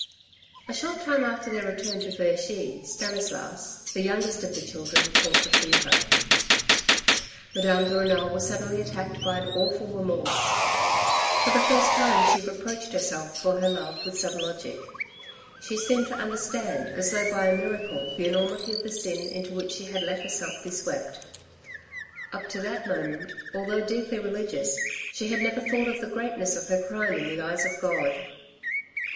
A short time after their return to Vergy, Stanislas, the youngest of the children, caught the fever; Madame de Renal was suddenly attacked by an awful remorse. For the first time she reproached herself for her love with some logic. She seemed to understand as though by a miracle the enormity of the sin into which she had let herself be swept. Up to that moment, although deeply religious, she had never thought of the greatness of her crime in the eyes of God.